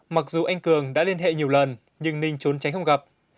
mặc dù anh cường đã liên hệ nhiều lần nhưng ninh trốn tránh không gặp